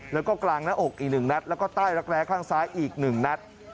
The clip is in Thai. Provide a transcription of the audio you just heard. แล้วก็กลางหน้าอกอีก๑นัดแล้วก็ใต้รักแร้ข้างซ้ายอีก๑นัด